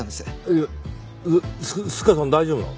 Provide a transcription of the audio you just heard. いやスカさん大丈夫なの？